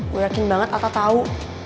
gue yakin banget ata tau